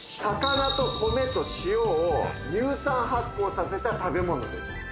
魚と米と塩を乳酸発酵させた食べ物です